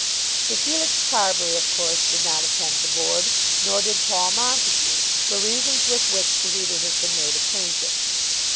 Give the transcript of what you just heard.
Sir Felix Carbury of course did not attend the Board; nor did Paul Montague, for reasons with which the reader has been made acquainted.